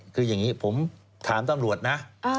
คืออย่างนี้ผมถามตำรวจนะ